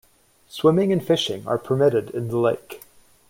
Swimming and fishing are permitted in the lake.